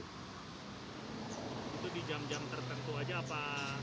itu di jam jam tertentu aja apa